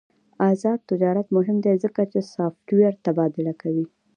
آزاد تجارت مهم دی ځکه چې سافټویر تبادله کوي.